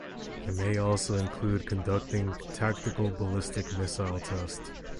It may also include conducting tactical ballistic missile tests.